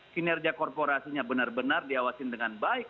kinerja korporasinya benar benar diawasin dengan baik